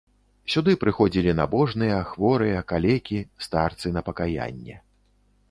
Сюды прыходзілі набожныя, хворыя, калекі, старцы на пакаянне.